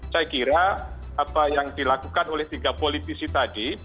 saya kira apa yang dilakukan oleh tiga politisi tadi